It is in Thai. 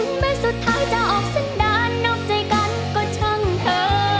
แม้สุดท้ายจะออกสักด้านนอกใจกันก็ช่างเธอ